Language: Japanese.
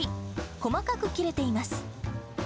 細かく切れています。